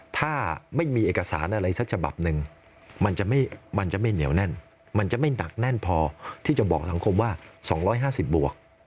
ถ้าไม่มีเอกสารอะไรสักฉบับหนึ่งมันจะไม่เหนียวแน่นมันจะไม่หนักแน่นพอที่จะบอกสังคมว่า๒๕๐บวก